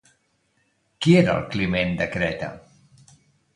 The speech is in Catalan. Qui era el Climen de Creta?